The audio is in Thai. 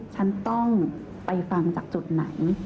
ฉันต้องไปฟังจากจุดไหน